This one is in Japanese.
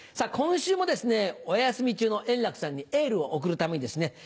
今週もお休み中の円楽さんにエールを送るためにですね